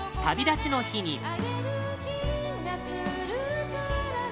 「旅立ちの日に」